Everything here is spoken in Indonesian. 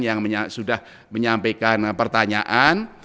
yang sudah menyampaikan pertanyaan